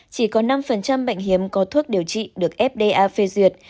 chỉ có năm bệnh hiếm có thuốc điều trị được fda phê duyệt